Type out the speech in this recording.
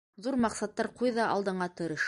Ҙур маҡсаттар ҡуй ҙа алдыңа, тырыш!